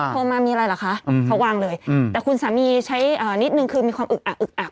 โทรมามีอะไรเหรอคะเขาวางเลยแต่คุณสามีใช้นิดนึงคือมีความอึกอะอึกอัก